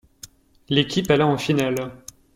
L'équipe alla en finales.